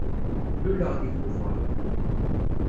Luleɣ deg Tubeṛ.